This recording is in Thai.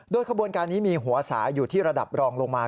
ขบวนการนี้มีหัวสายอยู่ที่ระดับรองลงมา